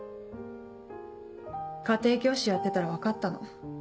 家庭教師やってたら分かったの。